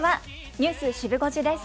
ニュースシブ５時です。